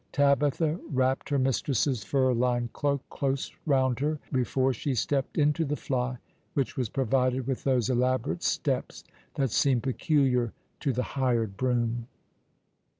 Tabitha wrapped her mistress's fur lined cloak close round her, before she stepped into the fly, which was provided with those elaborate steps that seem peculiar to the hired brougham.